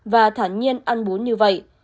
và thẳng nhiên ăn bún như vậy